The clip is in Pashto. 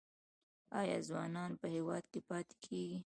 آیا ځوانان په هیواد کې پاتې کیږي؟